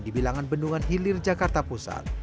di bilangan bendungan hilir jakarta pusat